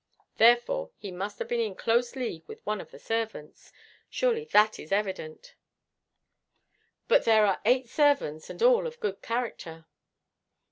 Therefore, he must have been in close league with one of the servants. Surely that is evident. But there are eight servants, and all of good character.'